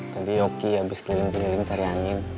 tadi yoki abis kilim kilim cari angin